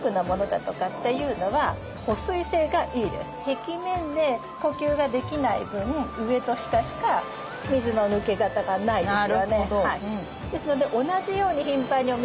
壁面で呼吸ができない分上と下しか水の抜け方がないですよね。